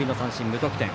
無得点。